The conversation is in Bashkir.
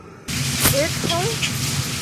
— Һөт һуң?